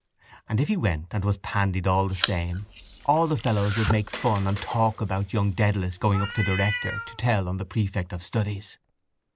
And if he went and was pandied all the same all the fellows would make fun and talk about young Dedalus going up to the rector to tell on the prefect of studies.